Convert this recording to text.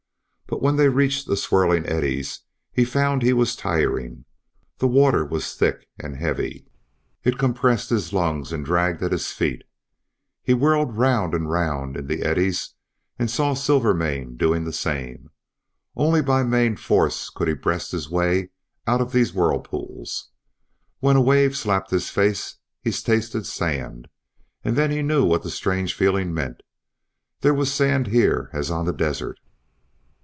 But when they reached the swirling eddies he found that he was tiring. The water was thick and heavy; it compressed his lungs and dragged at his feet. He whirled round and round in the eddies and saw Silvermane doing the same. Only by main force could he breast his way out of these whirlpools. When a wave slapped his face he tasted sand, and then he knew what the strange feeling meant. There was sand here as on the desert.